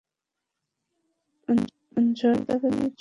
ঝড় তাকে দ্রুত নিয়ে চলে।